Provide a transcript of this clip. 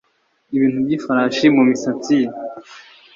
ibintu by'ifarashi mumisatsi ye